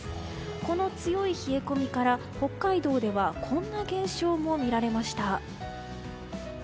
この強い冷え込みから北海道ではこんな現象も見られました。